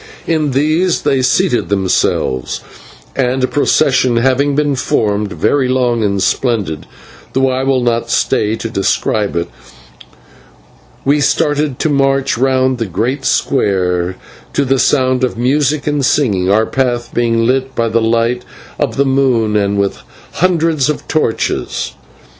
In these they seated themselves, and a procession having been formed, very long and splendid, though I will not stay to describe it, we started to march round the great square to the sound of music and singing, our path being lit by the light of the moon and with hundreds of torches.